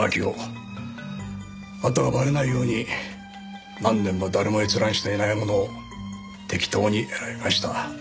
あとはばれないように何年も誰も閲覧していないものを適当に選びました。